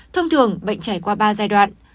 thông thường bệnh trải qua ba giai đoạn